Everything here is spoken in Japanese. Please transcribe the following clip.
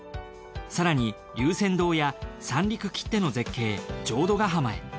更に龍泉洞や三陸きっての絶景浄土ヶ浜へ。